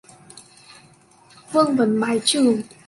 Vương vấn mái trường